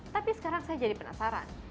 tapi sekarang saya jadi penasaran